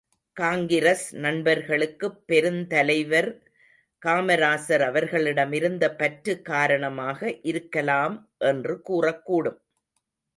காங்கிரஸ் நண்பர்களுக்குப் பெருந்தலைவர் காமராசர் அவர்களிடமிருந்த பற்று காரணமாக இருக்கலாம் என்று கூறக்கூடும்.